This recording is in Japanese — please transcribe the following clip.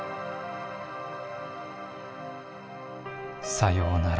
「さようなら。